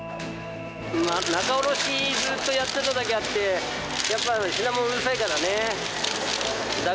仲卸ずっとやってただけあって、やっぱり品物にうるさいからね。